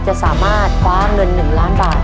จะสามารถฟ้าเงินหนึ่งล้านบาท